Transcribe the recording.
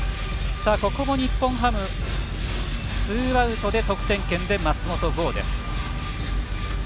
ここも日本ハムツーアウトで得点圏で松本剛です。